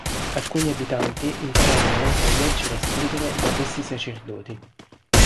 Alcuni abitanti impararono anche a leggere e scrivere da questi sacerdoti.